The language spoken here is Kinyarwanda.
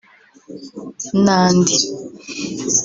n’andi